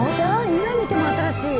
今見ても新しい！